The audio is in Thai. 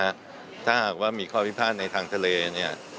ถ้าหากว่ามีข้อพิพาทในทางทะเลเนี่ย